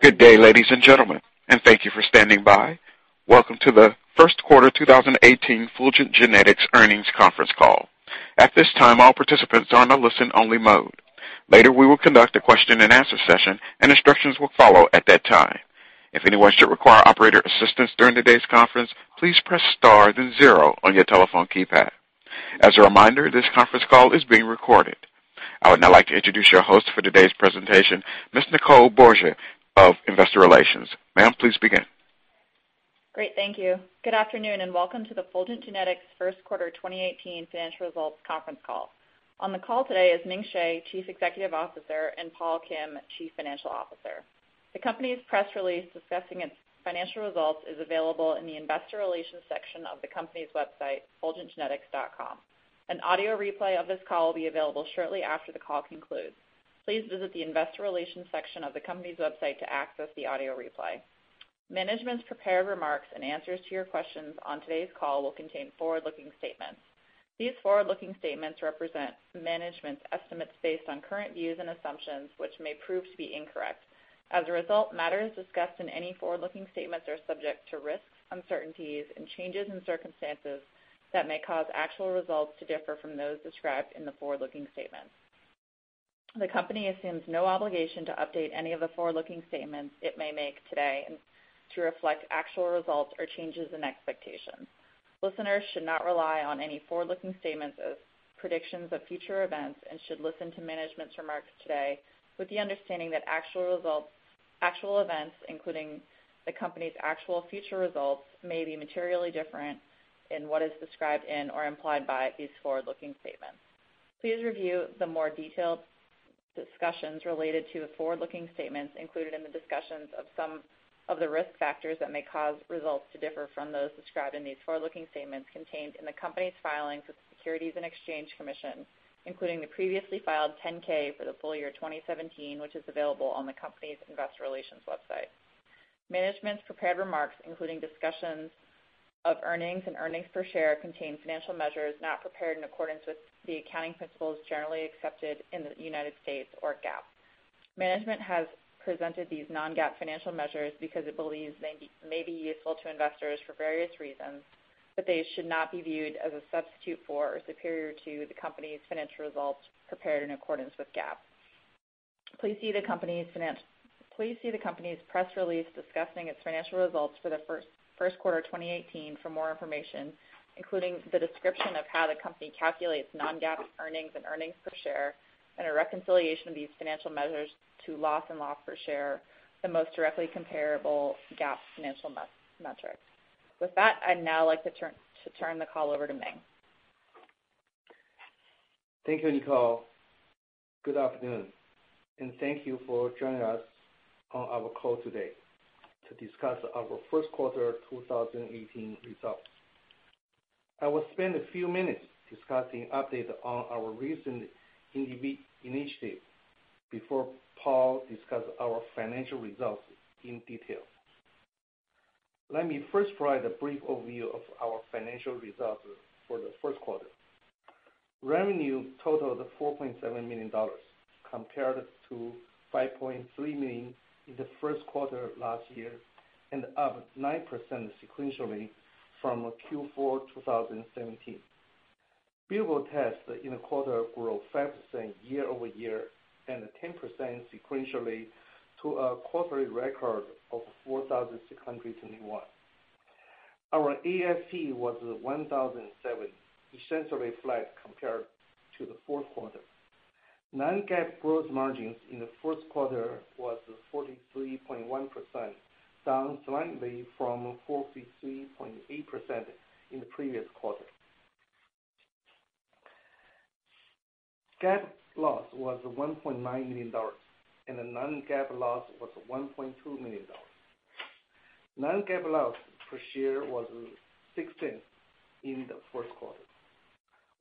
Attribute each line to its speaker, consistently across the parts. Speaker 1: Good day, ladies and gentlemen. Thank you for standing by. Welcome to the first quarter 2018 Fulgent Genetics Earnings Conference Call. At this time, all participants are in a listen-only mode. Later, we will conduct a question and answer session. Instructions will follow at that time. If anyone should require operator assistance during today's conference, please press star then zero on your telephone keypad. As a reminder, this conference call is being recorded. I would now like to introduce your host for today's presentation, Ms. Nicole Bohorquez of investor relations. Ma'am, please begin.
Speaker 2: Great, thank you. Good afternoon and welcome to the Fulgent Genetics first quarter 2018 financial results conference call. On the call today is Ming Hsieh, Chief Executive Officer, and Paul Kim, Chief Financial Officer. The company's press release discussing its financial results is available in the investor relations section of the company's website, fulgentgenetics.com. An audio replay of this call will be available shortly after the call concludes. Please visit the investor relations section of the company's website to access the audio replay. Management's prepared remarks and answers to your questions on today's call will contain forward-looking statements. These forward-looking statements represent management's estimates based on current views and assumptions, which may prove to be incorrect. As a result, matters discussed in any forward-looking statements are subject to risks, uncertainties, and changes in circumstances that may cause actual results to differ from those described in the forward-looking statements. The company assumes no obligation to update any of the forward-looking statements it may make today to reflect actual results or changes in expectations. Listeners should not rely on any forward-looking statements as predictions of future events and should listen to management's remarks today with the understanding that actual events, including the company's actual future results, may be materially different in what is described in or implied by these forward-looking statements. Please review the more detailed discussions related to the forward-looking statements included in the discussions of some of the risk factors that may cause results to differ from those described in these forward-looking statements contained in the company's filings with the Securities and Exchange Commission, including the previously filed 10-K for the full year 2017, which is available on the company's investor relations website. Management's prepared remarks, including discussions of earnings and earnings per share, contain financial measures not prepared in accordance with the accounting principles generally accepted in the United States, or GAAP. Management has presented these non-GAAP financial measures because it believes they may be useful to investors for various reasons. They should not be viewed as a substitute for or superior to the company's financial results prepared in accordance with GAAP. Please see the company's press release discussing its financial results for the first quarter 2018 for more information, including the description of how the company calculates non-GAAP earnings and earnings per share, and a reconciliation of these financial measures to loss and loss per share, the most directly comparable GAAP financial metrics. With that, I'd now like to turn the call over to Ming.
Speaker 3: Thank you, Nicole. Good afternoon and thank you for joining us on our call today to discuss our first quarter 2018 results. I will spend a few minutes discussing updates on our recent initiatives before Paul discusses our financial results in detail. Let me first provide a brief overview of our financial results for the first quarter. Revenue totaled $4.7 million, compared to $5.3 million in the first quarter of last year, and up 9% sequentially from Q4 2017. Billable tests in the quarter grew 5% year-over-year and 10% sequentially to a quarterly record of 4,621. Our ASP was $1,007, essentially flat compared to the fourth quarter. Non-GAAP gross margins in the first quarter was 43.1%, down slightly from 43.8% in the previous quarter. GAAP loss was $1.9 million, and the non-GAAP loss was $1.2 million. Non-GAAP loss per share was $0.16 in the first quarter.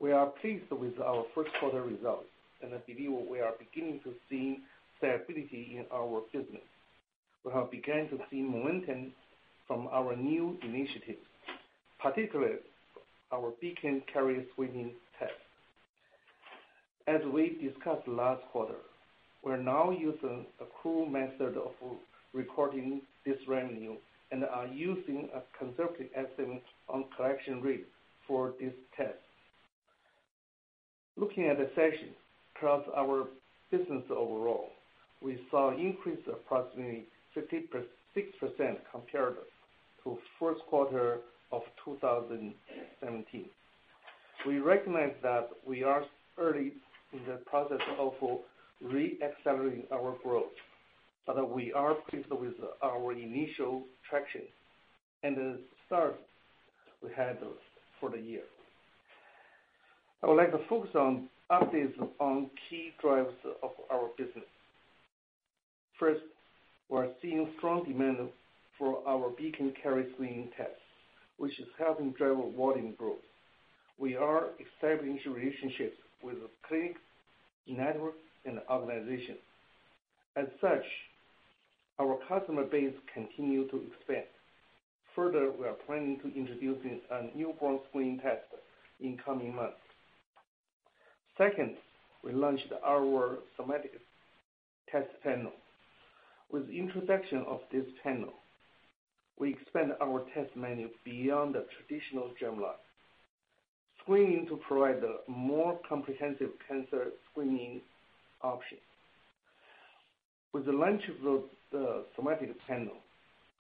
Speaker 3: We are pleased with our first quarter results and believe we are beginning to see stability in our business. We have begun to see momentum from our new initiatives, particularly our Beacon carrier screening test. As we discussed last quarter, we are now using an accrual method of recording this revenue and are using a conservative estimate on collection rates for this test. Looking at the sessions across our business overall, we saw an increase of approximately 56% comparable to first quarter of 2017. We recognize that we are early in the process of re-accelerating our growth, but we are pleased with our initial traction and the start we had for the year. I would like to focus on updates on key drivers of our business. First, we are seeing strong demand for our Beacon carrier screening test, which is helping drive rewarding growth. We are establishing relationships with clinics, networks, and organizations. As such, our customer base continue to expand. Further, we are planning to introduce a newborn screening test in coming months. Second, we launched our somatic test panel. With the introduction of this panel, we expand our test menu beyond the traditional germline, screening to provide a more comprehensive cancer screening option. With the launch of the somatic panel,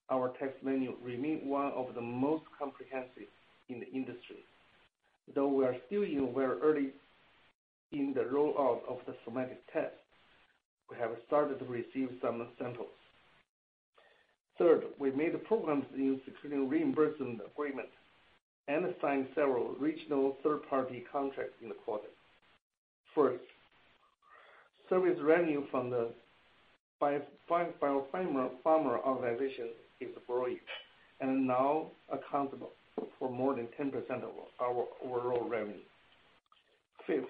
Speaker 3: our test menu remains one of the most comprehensive in the industry. Though we are still in very early in the rollout of the somatic test, we have started to receive some samples. Third, we made programs including reimbursement agreement and signed several regional third-party contracts in the quarter. Fourth, service revenue from the biopharma organization is growing and now accountable for more than 10% of our overall revenue. Fifth,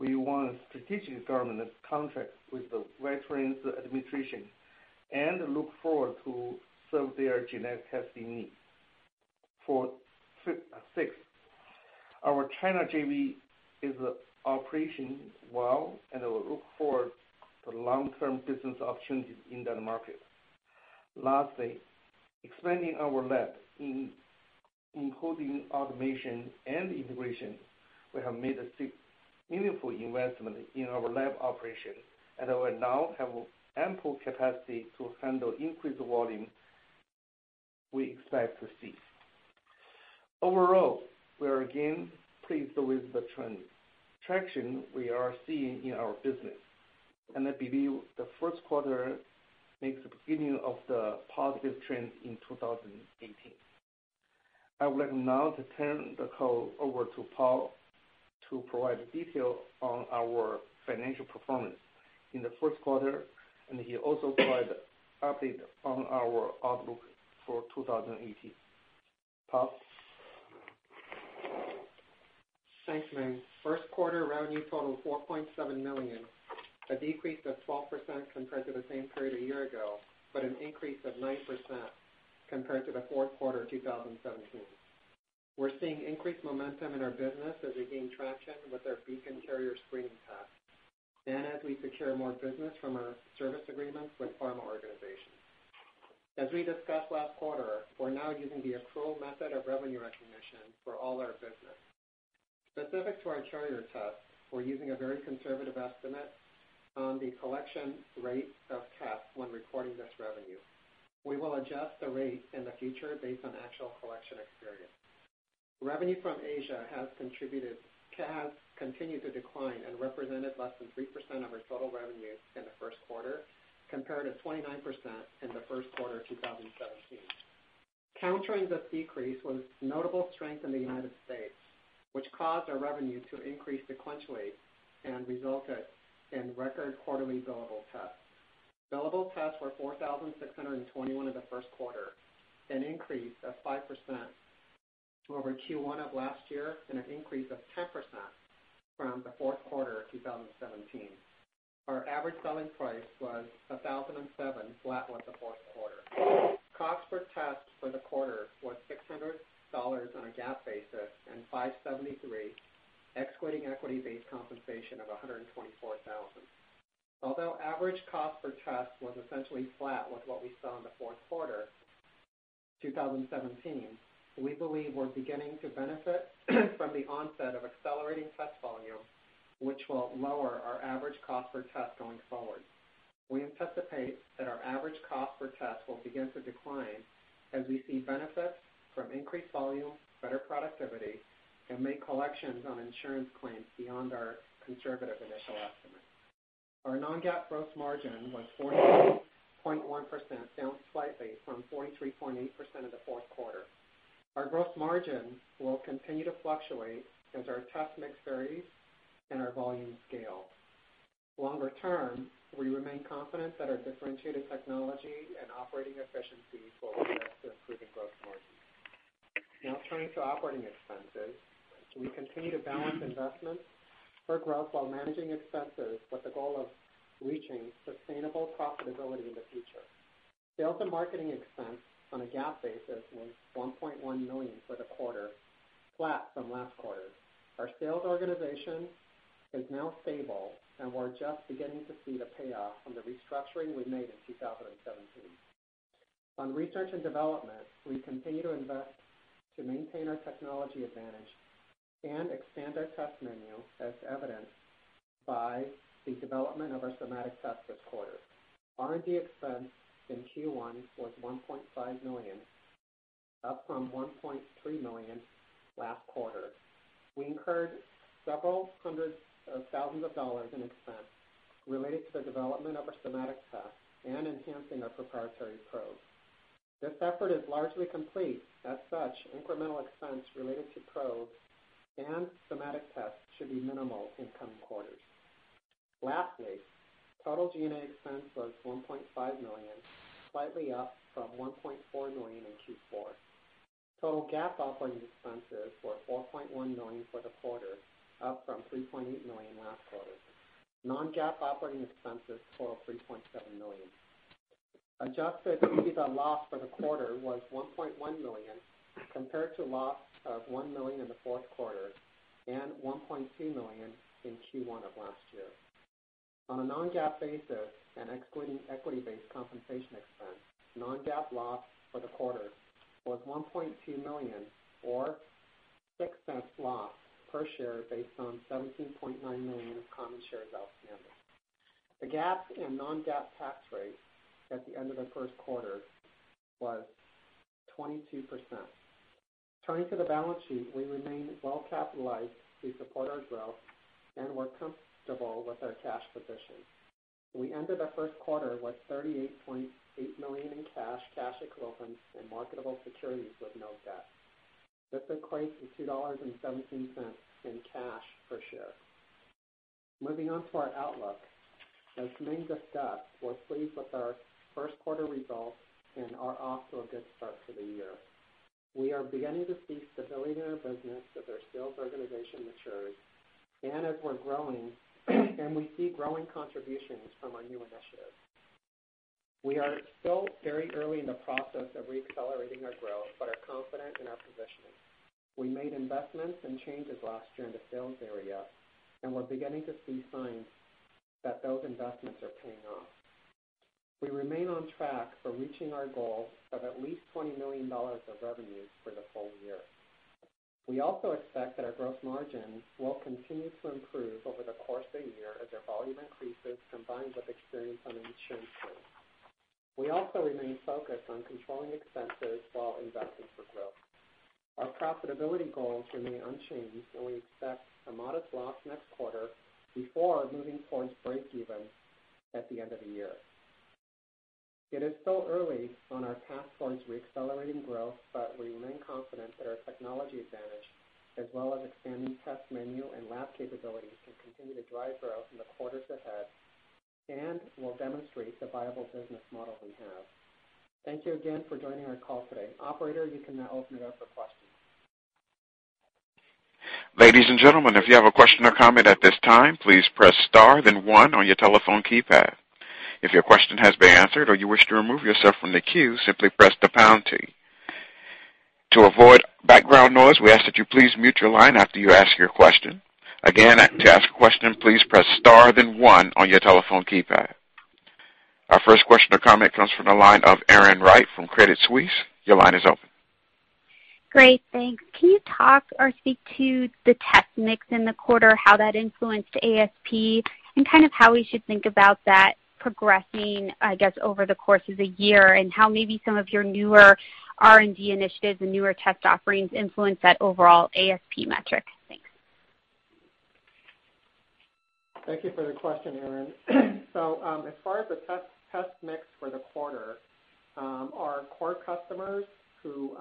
Speaker 3: we won a strategic government contract with the Veterans Administration and look forward to serve their genetic testing needs. Six, our China JV is operating well, and we look forward to long-term business opportunities in that market. Lastly, expanding our lab, including automation and integration, we have made a significant investment in our lab operation and we now have ample capacity to handle increased volume we expect to see. Overall, we are again pleased with the traction we are seeing in our business, and I believe the first quarter marks the beginning of the positive trend in 2018. I would like now to turn the call over to Paul to provide detail on our financial performance in the first quarter, and he will also provide update on our outlook for 2018. Paul?
Speaker 4: Thanks, Ming. First quarter revenue totaled $4.7 million, a decrease of 12% compared to the same period a year ago, but an increase of 9% compared to the fourth quarter 2017. We're seeing increased momentum in our business as we gain traction with our Beacon carrier screening test, and as we secure more business from our service agreements with pharma organizations. As we discussed last quarter, we're now using the accrual method of revenue recognition for all our business. Specific to our carrier test, we're using a very conservative estimate on the collection rate of tests when recording this revenue. We will adjust the rate in the future based on actual collection experience. Revenue from Asia has continued to decline and represented less than 3% of our total revenue in the first quarter, compared to 29% in the first quarter 2017. Countering this decrease was notable strength in the United States, which caused our revenue to increase sequentially and resulted in record quarterly billable tests. Billable tests were 4,621 in the first quarter, an increase of 5% over Q1 of last year and an increase of 10% from the fourth quarter 2017. Our Average Selling Price was $1,007, flat with the fourth quarter. Cost per test for the quarter was $600 on a GAAP basis, and $573, excluding equity-based compensation of $124,000. Although average cost per test was essentially flat with what we saw in the fourth quarter 2017, we believe we're beginning to benefit from the onset of accelerating test volume, which will lower our average cost per test going forward. We anticipate that our average cost per test will begin to decline as we see benefits from increased volume, better productivity, and make collections on insurance claims beyond our conservative initial estimate. Our non-GAAP gross margin was 43.1%, down slightly from 43.8% in the fourth quarter. Our gross margin will continue to fluctuate as our test mix varies and our volume scale. Longer term, we remain confident that our differentiated technology and operating efficiencies will lead to improving gross margin. Now turning to operating expenses, we continue to balance investment for growth while managing expenses with the goal of reaching sustainable profitability in the future. Sales and marketing expense on a GAAP basis was $1.1 million for the quarter, flat from last quarter. Our sales organization is now stable and we're just beginning to see the payoff from the restructuring we made in 2017. On research and development, we continue to invest to maintain our technology advantage and expand our test menu as evidenced by the development of our somatic test this quarter. R&D expense in Q1 was $1.5 million, up from $1.3 million last quarter. We incurred several hundreds of thousands of dollars in expense related to the development of our somatic test and enhancing our proprietary probes. This effort is largely complete. As such, incremental expense related to probes and somatic tests should be minimal in coming quarters. Lastly, total G&A expense was $1.5 million, slightly up from $1.4 million in Q4. Total GAAP operating expenses were $4.1 million for the quarter, up from $3.8 million. Non-GAAP operating expenses totaled $3.7 million. Adjusted EBITDA loss for the quarter was $1.1 million, compared to loss of $1 million in the fourth quarter and $1.2 million in Q1 of last year. On a non-GAAP basis and excluding equity-based compensation expense, non-GAAP loss for the quarter was $1.2 million or $0.06 loss per share based on 17.9 million of common shares outstanding. The GAAP and non-GAAP tax rate at the end of the first quarter was 22%. Turning to the balance sheet, we remain well capitalized to support our growth, and we're comfortable with our cash position. We ended the first quarter with $38.8 million in cash equivalents, and marketable securities with no debt. This equates to $2.17 in cash per share. Moving on to our outlook. As Ming discussed, we're pleased with our first quarter results and are off to a good start to the year. We are beginning to see stability in our business as our sales organization matures, and as we're growing, and we see growing contributions from our new initiatives. We are still very early in the process of re-accelerating our growth, but are confident in our positioning. We made investments and changes last year in the sales area, and we're beginning to see signs that those investments are paying off. We remain on track for reaching our goal of at least $20 million of revenues for the full year. We also expect that our gross margins will continue to improve over the course of the year as our volume increases, combined with experience on insurance rates. We also remain focused on controlling expenses while investing for growth. Our profitability goals remain unchanged. We expect a modest loss next quarter before moving towards breakeven at the end of the year. It is still early on our path towards re-accelerating growth, but we remain confident that our technology advantage as well as expanding test menu and lab capabilities can continue to drive growth in the quarters ahead and will demonstrate the viable business model we have. Thank you again for joining our call today. Operator, you can now open it up for questions.
Speaker 1: Ladies and gentlemen, if you have a question or comment at this time, please press star then one on your telephone keypad. If your question has been answered or you wish to remove yourself from the queue, simply press the pound key. To avoid background noise, we ask that you please mute your line after you ask your question. Again, to ask a question, please press star then one on your telephone keypad. Our first question or comment comes from the line of Erin Wright from Credit Suisse. Your line is open.
Speaker 5: Great. Thanks. Can you talk or speak to the test mix in the quarter, how that influenced ASP, and kind of how we should think about that progressing, I guess, over the course of the year, and how maybe some of your newer R&D initiatives and newer test offerings influence that overall ASP metric? Thanks.
Speaker 4: Thank you for the question, Erin. As far as the test mix for the quarter, our core customers who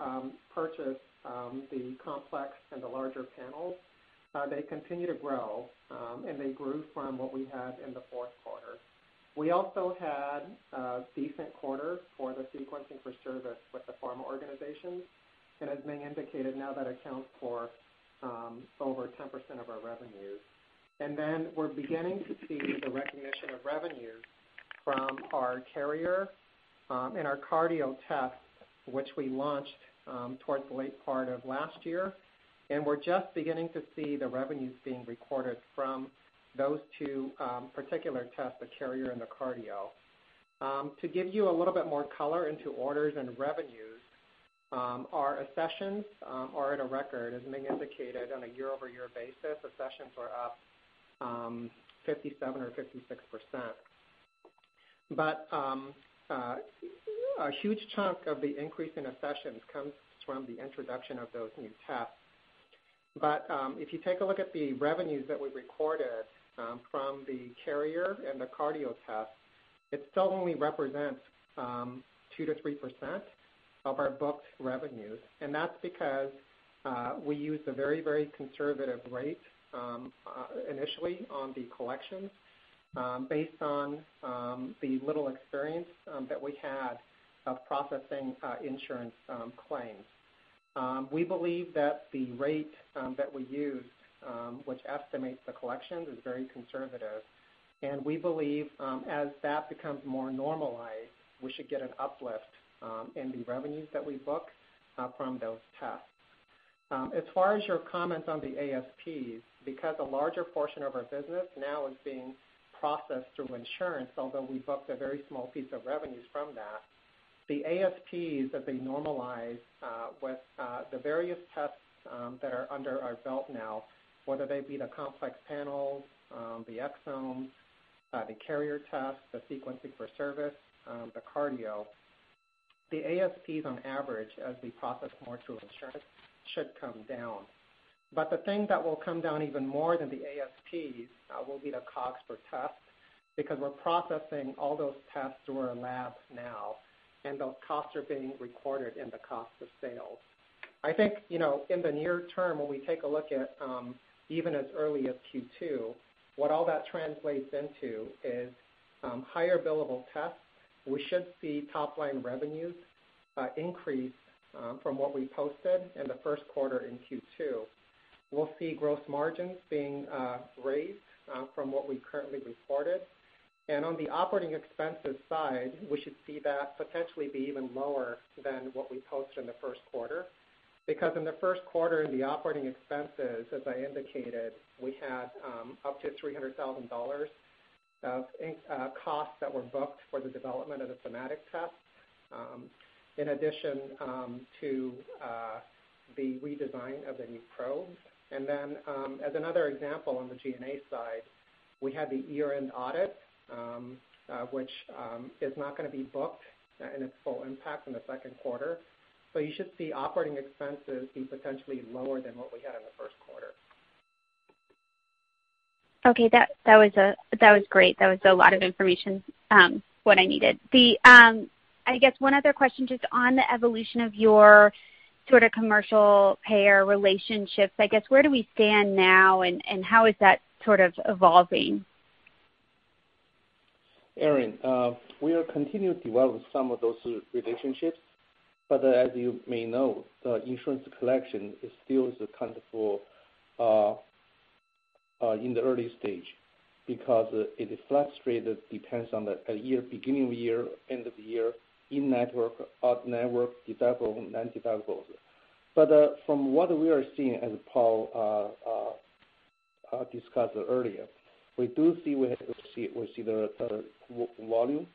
Speaker 4: purchase the complex and the larger panels, they continue to grow, and they grew from what we had in the fourth quarter. We also had a decent quarter for the sequencing for service with the pharma organizations. As Ming indicated, now that accounts for over 10% of our revenues. We're beginning to see the recognition of revenues from our carrier, and our cardio test, which we launched towards the late part of last year. We're just beginning to see the revenues being recorded from those two particular tests, the carrier and the cardio. To give you a little bit more color into orders and revenues, our sessions are at a record. As Ming indicated, on a year-over-year basis, our sessions are up 57% or 56%. A huge chunk of the increase in sessions comes from the introduction of those new tests. If you take a look at the revenues that we recorded from the carrier and the cardio test, it still only represents 2% to 3% of our booked revenues. That's because we used a very conservative rate initially on the collections, based on the little experience that we had of processing insurance claims. We believe that the rate that we used, which estimates the collections, is very conservative. We believe, as that becomes more normalized, we should get an uplift in the revenues that we book from those tests. As far as your comments on the ASPs, because a larger portion of our business now is being processed through insurance, although we booked a very small piece of revenues from that, the ASPs, as they normalize with the various tests that are under our belt now, whether they be the complex panels, the exomes, the carrier tests, the sequencing for service, the cardio, the ASPs on average, as we process more through insurance, should come down. The thing that will come down even more than the ASPs will be the COGS per test, because we're processing all those tests through our labs now, and those costs are being recorded in the cost of sales. I think in the near term, when we take a look at even as early as Q2, what all that translates into is higher billable tests. We should see top-line revenues increase from what we posted in the first quarter in Q2. We'll see gross margins being raised from what we currently reported. On the operating expenses side, we should see that potentially be even lower than what we posted in the first quarter. Because in the first quarter, the operating expenses, as I indicated, we had up to $300,000 of costs that were booked for the development of the somatic test, in addition to the redesign of the new probes. As another example, on the G&A side, we had the year-end audit, which is not going to be booked in its full impact in the second quarter. You should see operating expenses be potentially lower than what we had in the first quarter.
Speaker 5: Okay. That was great. That was a lot of information, what I needed. I guess one other question just on the evolution of your sort of commercial payer relationships, I guess, where do we stand now and how is that sort of evolving?
Speaker 3: Erin, we are continuing to develop some of those relationships, but as you may know, the insurance collection is still kind of in the early stage, because it is fluctuate. It depends on the beginning of the year, end of the year, in network, out network, deductible, non-deductible. From what we are seeing, as Paul discussed earlier, we do see the volume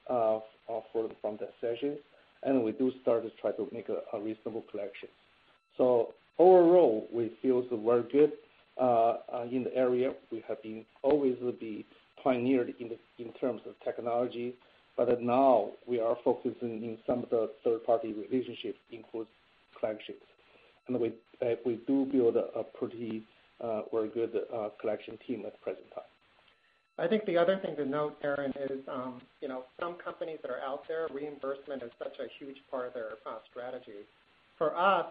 Speaker 3: from that session, and we do start to try to make reasonable collections. Overall, we feel very good in the area. We have always been pioneered in terms of technology. Now we are focusing on some of the third-party relationships includes collections. We do build a pretty good collection team at present time.
Speaker 4: I think the other thing to note, Erin, is some companies that are out there, reimbursement is such a huge part of their strategy. For us,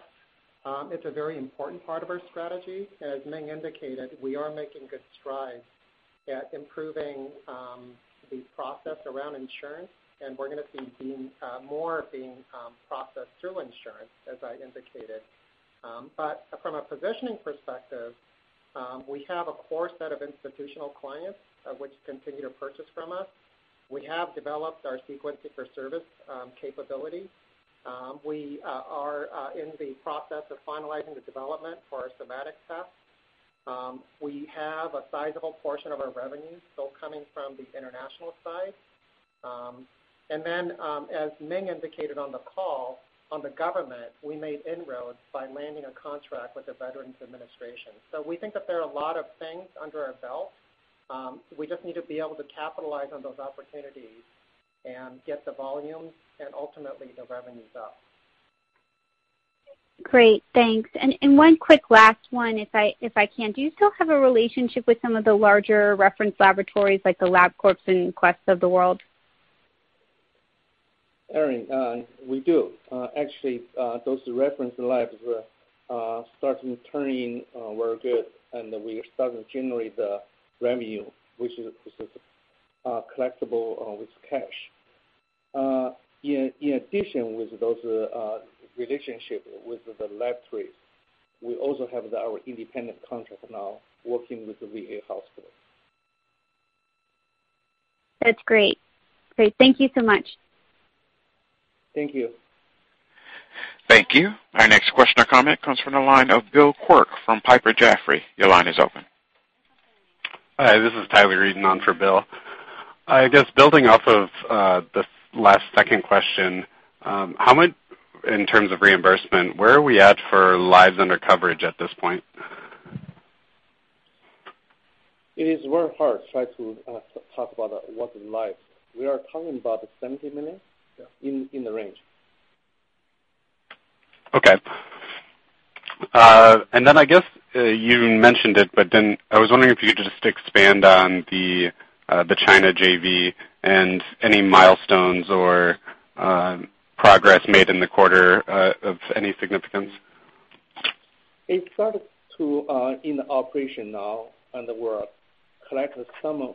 Speaker 4: it's a very important part of our strategy. As Ming indicated, we are making good strides at improving the process around insurance, and we're going to see more being processed through insurance, as I indicated. From a positioning perspective, we have a core set of institutional clients which continue to purchase from us. We have developed our sequence-for-service capability. We are in the process of finalizing the development for our somatic test. We have a sizable portion of our revenue still coming from the international side. As Ming indicated on the call, on the government, we made inroads by landing a contract with the Veterans Administration. We think that there are a lot of things under our belt. We just need to be able to capitalize on those opportunities and get the volume and ultimately the revenues up.
Speaker 5: Great, thanks. One quick last one, if I can. Do you still have a relationship with some of the larger reference laboratories like the LabCorp and Quest of the world?
Speaker 3: Erin, we do. Actually, those reference labs were starting turning very good, and we are starting to generate the revenue, which is collectable with cash. In addition with those relationships with the laboratories, we also have our independent contract now working with the VA hospital.
Speaker 5: That's great. Great. Thank you so much.
Speaker 3: Thank you.
Speaker 1: Thank you. Our next question or comment comes from the line of Bill Quirk from Piper Jaffray. Your line is open.
Speaker 6: Hi, this is Tyler Van Buren on for Bill. I guess building off of the last second question, in terms of reimbursement, where are we at for lives under coverage at this point?
Speaker 3: It is very hard to try to talk about what is lives. We are talking about 70 million.
Speaker 4: Yeah.
Speaker 3: -in the range.
Speaker 6: Okay. I guess you mentioned it, I was wondering if you could just expand on the China JV and any milestones or progress made in the quarter of any significance.
Speaker 3: It started to in operation now, and we're collecting some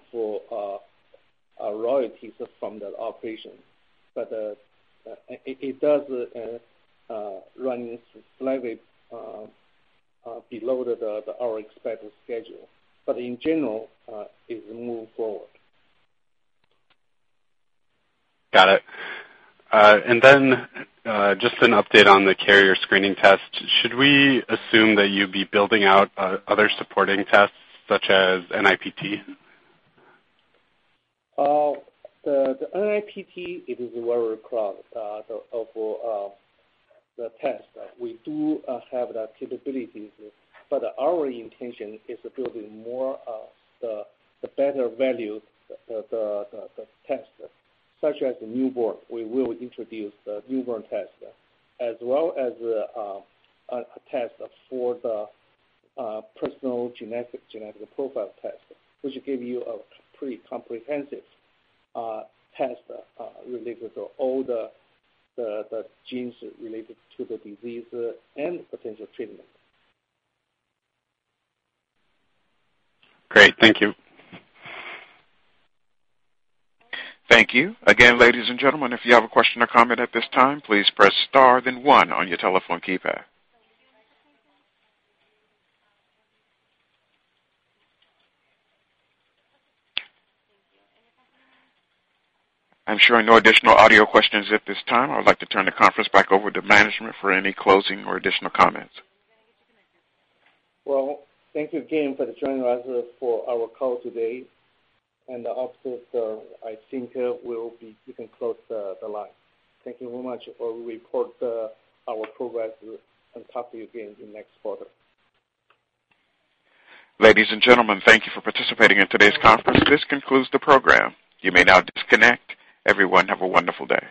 Speaker 3: royalties from the operation. It does run slightly below our expected schedule. In general, it will move forward.
Speaker 6: Got it. Just an update on the carrier screening test. Should we assume that you'd be building out other supporting tests such as NIPT?
Speaker 3: The NIPT, it is very crowded, the test. We do have that capability, but our intention is building more of the better value test, such as the newborn. We will introduce the newborn test, as well as a test for the personal genetic profile test, which will give you a pretty comprehensive test related to all the genes related to the disease and potential treatment.
Speaker 6: Great. Thank you.
Speaker 1: Thank you. Again, ladies and gentlemen, if you have a question or comment at this time, please press star then one on your telephone keypad. I'm showing no additional audio questions at this time. I would like to turn the conference back over to management for any closing or additional comments.
Speaker 3: Well, thank you again for joining us for our call today. Also, I think you can close the line. Thank you very much. We'll report our progress and talk to you again in next quarter.
Speaker 1: Ladies and gentlemen, thank you for participating in today's conference. This concludes the program. You may now disconnect. Everyone, have a wonderful day.